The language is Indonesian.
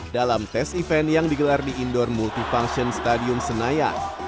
dalam tes event yang digelar di indoor multifunction stadium senayan